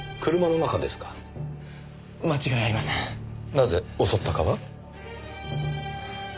なぜ襲ったかは？